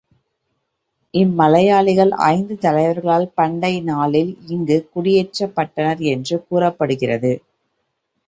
இம்மலையாளிகள் ஐந்து தலைவர்களால் பண்டை நாளில் இங்குக் குடியேற்றப்பட்டனர் என்று கூறப்படுகிறது.